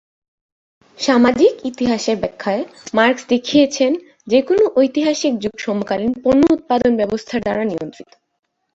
সামাজিক ইতিহাসের ব্যাখ্যায় মার্ক্স দেখিয়েছেন, যে কোনো ঐতিহাসিক যুগ সমকালীন পণ্য-উৎপাদন ব্যবস্থার দ্বারা নিয়ন্ত্রিত।